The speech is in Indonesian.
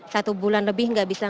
satu bulan lebih gak bisa nge lok